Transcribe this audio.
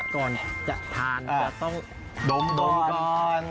ก่อนจะทานก็ต้องดมก่อน